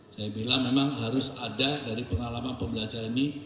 saya bilang memang harus ada dari pengalaman pembelajaran ini